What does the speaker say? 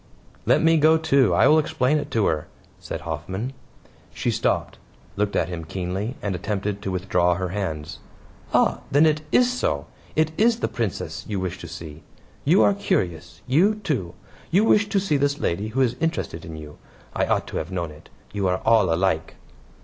"Let me go, too. I will explain it to her," said Hoffman. She stopped, looked at him keenly, and attempted to withdraw her hands. "Ah, then it IS so. It is the Princess you wish to see. You are curious you, too; you wish to see this lady who is interested in you. I ought to have known it. You are all alike."